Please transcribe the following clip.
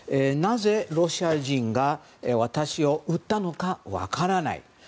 なぜロシア人が私を撃ったのか分からない。